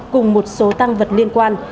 cùng một số tăng vật liên quan